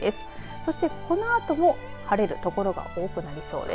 そしてこのあとも晴れる所が多くなりそうです。